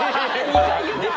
２回言った。